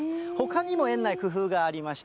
ほかにも園内、工夫がありました。